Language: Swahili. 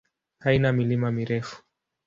Haina milima mirefu.